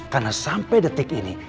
karena sampai detik ini